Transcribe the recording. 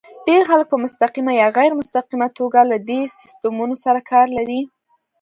ډېر خلک په مستقیمه یا غیر مستقیمه توګه له دې سیسټمونو سره کار لري.